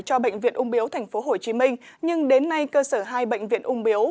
cho bệnh viện úng biếu tp hcm nhưng đến nay cơ sở hai bệnh viện úng biếu